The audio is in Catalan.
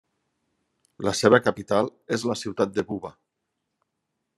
La seva capital és la ciutat de Buba.